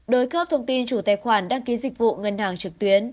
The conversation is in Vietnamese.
đối khớp thông tin chủ tài khoản đăng ký dịch vụ ngân hàng trực tuyến